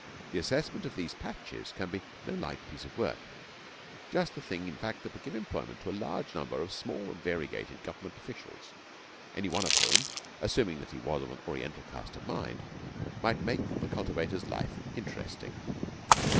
The assessment of these patches can be no light piece of work just the thing, in fact, that would give employment to a large number of small and variegated Government officials, any one of whom, assuming that he was of an Oriental cast of mind, might make the cultivator's life interesting.